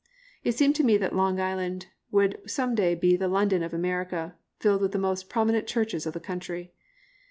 It seemed to me that Long Island would some day be the London of America, filled with the most prominent churches of the country.